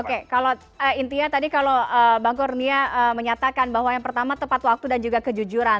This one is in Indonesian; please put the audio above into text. oke kalau intinya tadi kalau bang kurnia menyatakan bahwa yang pertama tepat waktu dan juga kejujuran